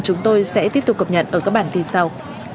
chúng tôi sẽ tiếp tục cập nhật ở các bản tin sau